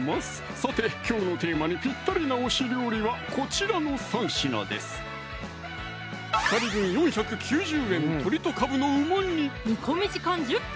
さてきょうのテーマにぴったりな推し料理はこちらの３品です２人分４９０円煮込み時間１０分！